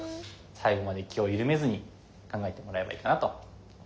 最後まで気を緩めずに考えてもらえばいいかなと思います。